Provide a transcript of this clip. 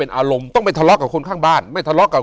อยู่ที่แม่ศรีวิรัยิลครับ